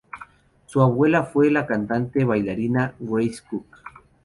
Su abuela fue la cantante y bailarina Grace Cook.